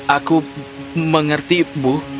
aku mengerti bu